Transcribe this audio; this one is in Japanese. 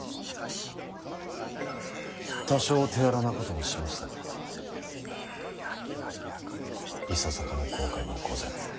多少手荒なこともしましたがいささかの後悔もございません。